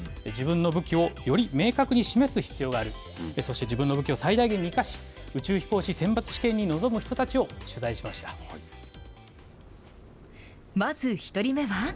自分の武器を、より明確に示す必要がある、そして自分の武器を最大限に生かし、宇宙飛行士選抜試験に臨む人まず１人目は。